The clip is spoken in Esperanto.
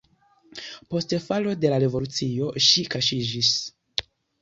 Post falo de la revolucio ŝi kaŝiĝis.